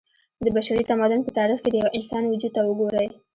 د بشري تمدن په تاريخ کې د يوه انسان وجود ته وګورئ